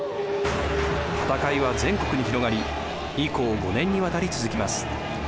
戦いは全国に広がり以降５年にわたり続きます。